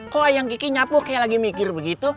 kok ayang gigi nyapu kayak lagi mikir begitu